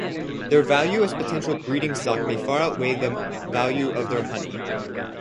Their value as potential breeding stock may far outweigh the value of their honey.